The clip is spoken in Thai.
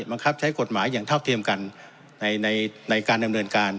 บังคับใช้กฎหมายอย่างเท่าเทียมกันในการดำเนินการ